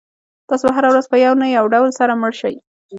تاسو به هره ورځ په یو نه یو ډول سره مړ شئ.